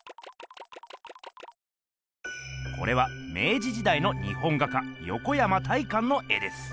これは明治時代の日本画家横山大観の絵です。